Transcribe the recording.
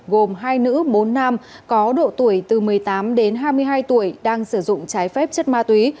gồm hai nữ bốn nam có độ tuổi từ một mươi tám đến hai mươi hai tuổi đang sử dụng trái phép chất ma túy